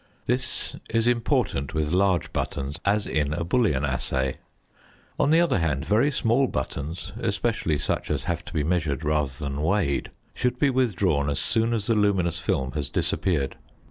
This is important with large buttons, as in a bullion assay. On the other hand, very small buttons, especially such as have to be measured rather than weighed, should be withdrawn as soon as the luminous film has disappeared.